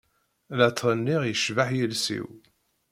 La ttɣenniɣ yecbeḥ yiles-iw.